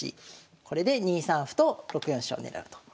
これで２三歩と６四飛車を狙うと。